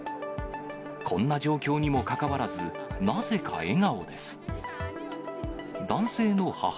こんな状況にもかかわらず、なぜか笑顔です。